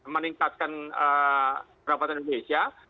meningkatkan pendapatan indonesia